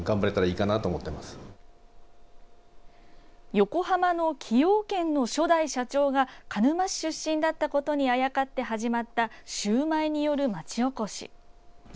横浜の崎陽軒の初代社長が鹿沼市出身だったことにあやかって始まったシューマイによる町おこし。